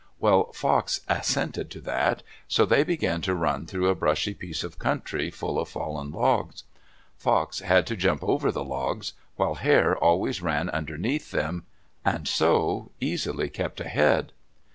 Well, Fox assented to that, so they began to run through a brushy piece of country, full of fallen logs. Fox had to jump over the logs, while Hare always ran underneath them and so easily kept ahead.